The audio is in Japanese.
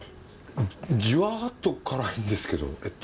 じわっと辛いんですけどえっと。